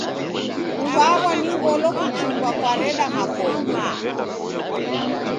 Kuw'aw'a ni ngolo kuchumba kwareda makongo.